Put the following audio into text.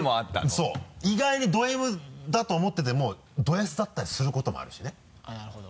そう意外にドＭだと思っててもドＳだったりすることもあるしねなるほど。